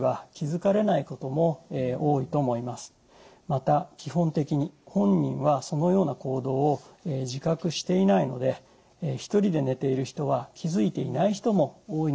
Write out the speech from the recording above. また基本的に本人はそのような行動を自覚していないので１人で寝ている人は気づいていない人も多いのではないでしょうか。